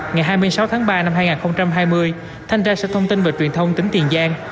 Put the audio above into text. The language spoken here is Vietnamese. ngày hai mươi sáu tháng ba năm hai nghìn hai mươi thanh ra sách thông tin về truyền thông tỉnh tiền giang